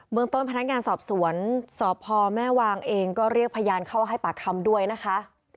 เมืองต้นพนักงานสอบสวนสพแม่วางเองก็เรียกพยานเข้าให้ปากคำด้วยนะคะ